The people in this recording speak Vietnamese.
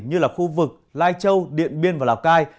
như là khu vực lai châu điện biên và lào cai